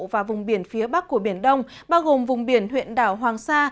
và vùng biển phía bắc của biển đông bao gồm vùng biển huyện đảo hoàng sa